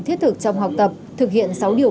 thiết thực trong học tập thực hiện sáu điều